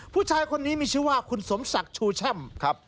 ผู้ชายคนนี้มีชื่อว่าคุณสมศักดิ์ชูแช่มครับ